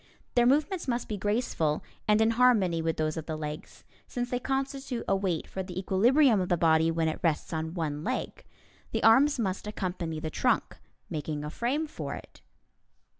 Their movements must be graceful and in harmony with those of the legs, since they constitute a weight for the equilibrium of the body when it rests on one leg. The arms must accompany the trunk, making a frame for it.